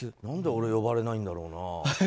何で俺呼ばれないんだろうな？